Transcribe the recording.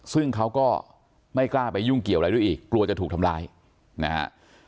ซึ่งเขาก็ไม่กล้าไปยุ่งเกี่ยวอะไรด้วยอีกกลัวจะถูกทำร้ายนะฮะ